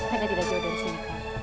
mereka tidak jauh dari sini kang